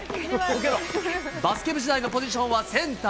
バスケ部時代のポジションはセンター。